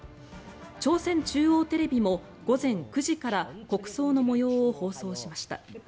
朝鮮中央テレビも午前９時から国葬の模様を放送しました。